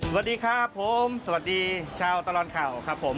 สวัสดีครับผมสวัสดีชาวตลอดข่าวครับผม